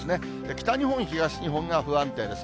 北日本、東日本が不安定です。